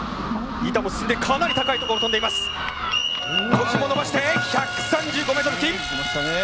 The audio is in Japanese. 腰も伸ばして１３５ｍ付近。